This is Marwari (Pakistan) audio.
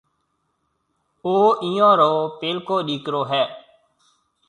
او ايئيون رو پيلڪو ڏِيڪرو هيَ۔